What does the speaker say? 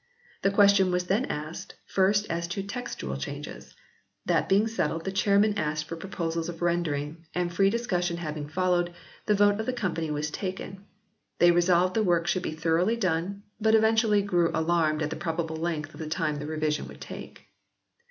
The question was then asked, first, as to textual changes ; that being settled the Chairman asked for proposals of rendering, and free discussion having followed, the vote of the Company was taken. They resolved the work should be thoroughly done, but eventually grew alarmed at the probable length of time the revision would take.